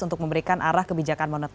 untuk memberikan arah kebijakan moneter